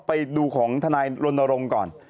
ไปดูของทนายรณรงค์ก่อน